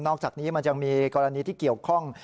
อกจากนี้มันยังมีกรณีที่เกี่ยวข้อง